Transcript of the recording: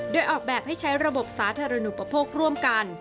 โดยออกแบบให้ใช้ระบบสาธารณูปโภคร่วมกัน